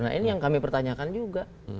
nah ini yang kami pertanyakan juga